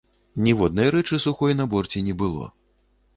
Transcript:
Ніводнай рэчы сухой на борце не было.